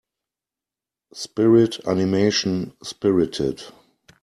Spirit animation Spirited.